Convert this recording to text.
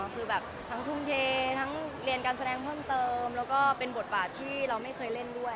คือแบบทั้งทุ่มเททั้งเรียนการแสดงเพิ่มเติมแล้วก็เป็นบทบาทที่เราไม่เคยเล่นด้วย